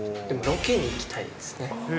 でもロケに行きたいですね。